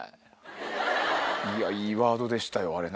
いいワードでしたよ。